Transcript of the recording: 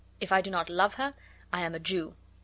If I do not love her, I am a Jew.